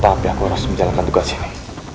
tapi aku harus menjalankan tugas ini